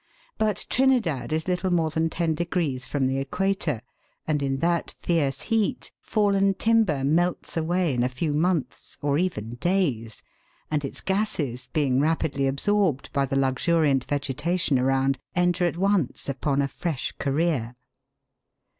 But Trinidad is little more than 10 from the equator, and in that fierce heat fallen timber melts away in a few months, or even days, and its gases, being rapidly absorbed by the luxuriant vegetation around, enter at once upon a fresh career.